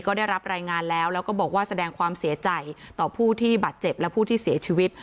ก็ได้รับรายงานแล้วแล้วก็บอกว่าแสดงความเสียใจต่อผู้ที่บาดเจ็บและผู้ที่เสียชีวิต